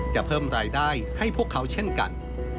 จะเพิ่มรายได้ให้พวกเขาเช่นกัน